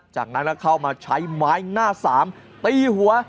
จากนั้นก็เข้ามาใช้ไม้หน้าสามตีหัว